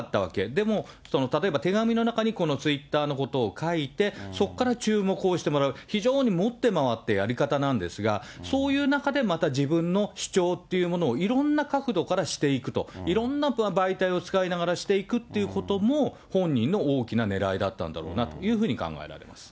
でも例えば手紙の中にこのツイッターのことを書いて、そこから注目をしてもらう、非常に持って回ったやり方なんですが、そういう中でまた自分の主張っていうものをいろんな角度からしていくと、いろんな媒体を使いながらしていくっていうことも、本人の大きなねらいだったんだろうなと考えられます。